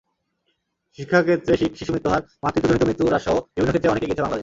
শিক্ষাক্ষেত্রে, শিশু মৃত্যুহার, মাতৃত্বজনিত মৃত্যু হ্রাসসহ বিভিন্ন ক্ষেত্রে অনেক এগিয়েছে বাংলাদেশ।